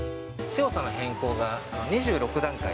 強さの変更が２６段階。